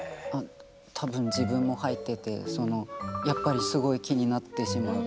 多分自分も入っててやっぱりすごい気になってしまう。